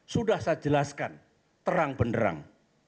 sudah saya jelaskan terang benderang